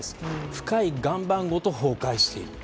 深い岩盤ごと崩壊していると。